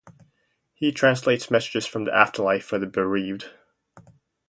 He translates messages from the afterlife for the bereaved.